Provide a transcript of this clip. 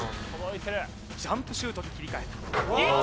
ジャンプシュートに切り替えたいった！